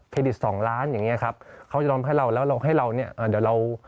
ดิสองล้านอย่างเงี้ยครับเขาจะยอมให้เราแล้วเราให้เราเนี่ยอ่าเดี๋ยวเรา